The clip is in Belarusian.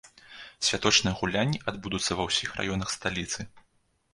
Святочныя гулянні адбудуцца ва ўсіх раёнах сталіцы.